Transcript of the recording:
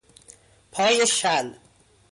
پای شل